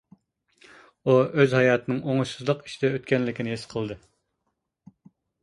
ئۇ ئۆز ھاياتىنىڭ ئوڭۇشسىزلىق ئىچىدە ئۆتكەنلىكىنى ھېس قىلدى.